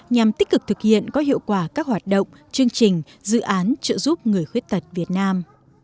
nhằm tích cực thực hiện có hiệu quả các hoạt động chương trình dự án trợ giúp người khuyết tật việt nam